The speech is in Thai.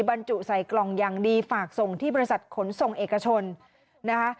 บรรจุใส่กล่องอย่างดีฝากส่งที่บริษัทขนส่งเอกชนนะคะ